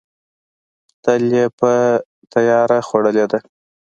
تل یې په تیاره خوړلې ده.